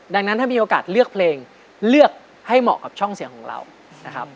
ดังนั้นถ้ามีโอกาสเลือกเพลงเลือกให้เหมาะกับช่องเสียงของเรานะครับ